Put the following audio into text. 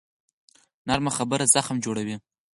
نرمه خبره زخم جوړوي